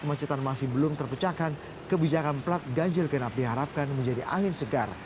kemacetan masih belum terpecahkan kebijakan plat ganjil genap diharapkan menjadi angin segar